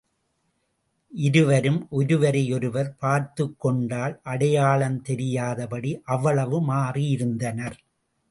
இருவரும் ஒருவரையொருவர் பார்த்துக்கொண்டால் அடையாளம் தெரியாதபடி அவ்வளவு மாறியிருந்தனர்.